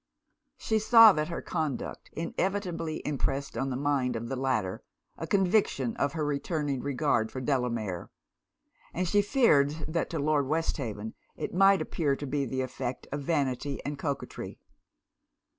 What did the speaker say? She saw that her conduct inevitably impressed on the mind of the latter a conviction of her returning regard for Delamere; and she feared that to Lord Westhaven it might appear to be the effect of vanity and coquetry.